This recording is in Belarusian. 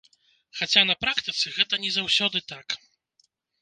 Хаця, на практыцы, гэта не заўсёды так.